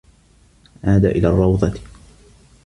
عاد إلى الرّوضة.